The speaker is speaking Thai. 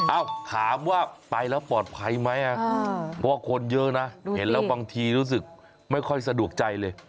ถามว่าไปแล้วปลอดภัยไหมเพราะว่าคนเยอะนะเห็นแล้วบางทีรู้สึกไม่ค่อยสะดวกใจเลย